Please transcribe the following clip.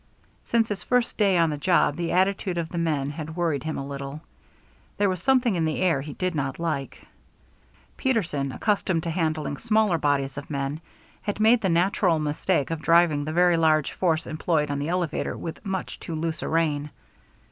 Since his first day on the job the attitude of the men had worried him a little. There was something in the air he did not like. Peterson, accustomed to handling smaller bodies of men, had made the natural mistake of driving the very large force employed on the elevator with much too loose a rein.